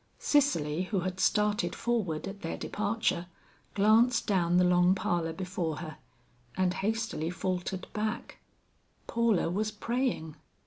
Cicely who had started forward at their departure, glanced down the long parlor before her, and hastily faltered back; Paula was praying.